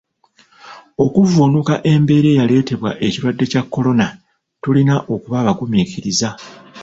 Okuvvuunuka embeera eyaleetebwa ekirwadde kya Corona tulina okuba abaguminkiriza.